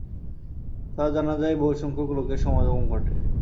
তার জানাযায় বহুসংখ্যক লোকের সমাগম ঘটে।